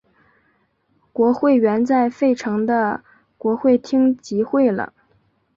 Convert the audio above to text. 国会原在费城的国会厅集会了。